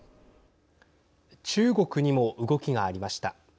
中国にも動きがありました。